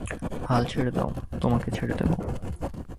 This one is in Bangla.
হাল ছেড়ে দাও, তোমাকে ছেড়ে দেবো।